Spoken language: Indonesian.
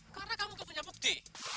karena kamu gak punya bukti